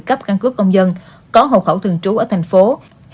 cấp căn cức công dân có hậu khẩu thường trú ở tp hcm